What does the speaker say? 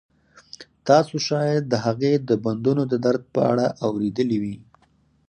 تاسو شاید د هغې د بندونو د درد په اړه اوریدلي وي